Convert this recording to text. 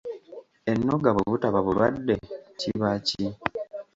Ennoga bwe butaba bulwadde kiba ki?